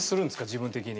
自分的に。